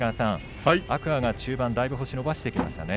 天空海が中盤だいぶ星を伸ばしてきましたね。